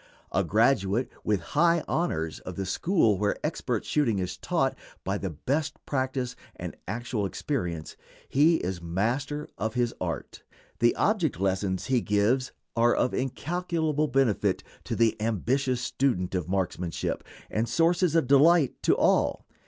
A graduate, with high honors, of the school where expert shooting is taught by the best practice and actual experience, he is master of his art. The object lessons he gives are of incalculable benefit to the ambitious student of marksmanship, and sources of delight to all.